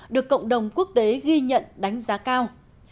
được cộng đồng quốc tế ghi nhận đánh giá cao